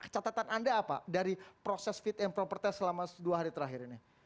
catatan anda apa dari proses fit and proper test selama dua hari terakhir ini